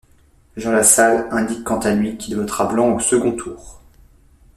Jean Lassalle indique quant à lui qu'il votera blanc au second tour.